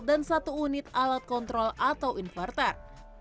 dan satu unit alat kontrol atau inverter